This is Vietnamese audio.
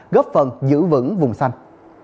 góp phần giữ vững vùng xanh